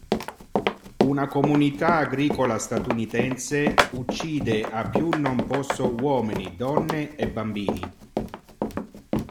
Una comunità agricola statunitense, uccide a più non posso uomini, donne e bambini.